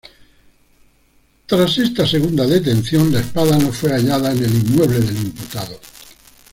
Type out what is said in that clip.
Tras esta segunda detención, la espada no fue hallada en el inmueble del imputado.